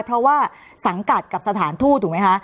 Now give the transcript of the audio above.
เพราะว่าสังกัดกับสถานทูตถูกไหมคะ